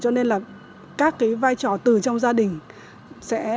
cho nên là các cái vai trò từ trong gia đình sẽ